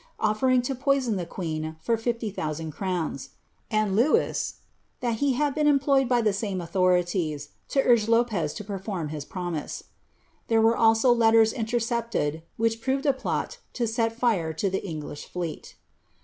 offering to poiriia iJje queen for fifty Ibousanii crottji?;" oiid Loui*, ■' that he had bwn employed by the same aulhorilics lo urge Lopez lo perform his pn niise." There were also letters iniercepied ivhich proved a ploi lu hi lire lo ihe F.nelish fleel.'